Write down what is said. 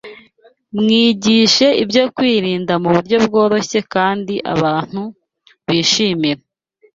Mwigishe ibyo Kwirinda mu Buryo Bworoshye kandi Abantu Bishimira